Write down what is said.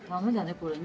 これね